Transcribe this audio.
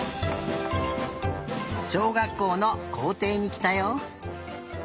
しょうがっこうのこうていにきたよ。